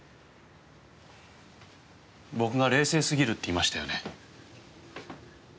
僕が冷静すぎるって言いましたよね。